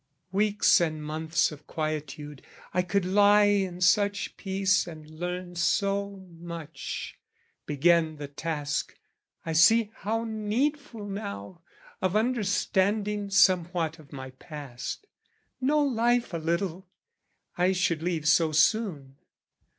Weeks and months of quietude, I could lie in such peace and learn so much Begin the task, I see how needful now, Of understanding somewhat of my past, Know life a little, I should leave so soon.